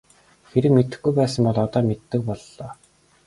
Хэрэв мэдэхгүй байсан бол одоо мэддэг боллоо.